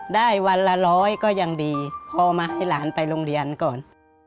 วันละร้อยก็ยังดีพอมาให้หลานไปโรงเรียนก่อน